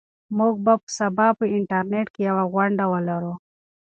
موږ به سبا په انټرنيټ کې یوه غونډه ولرو.